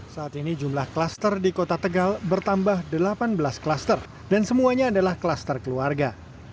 saat ini jumlah kluster di kota tegal bertambah delapan belas klaster dan semuanya adalah kluster keluarga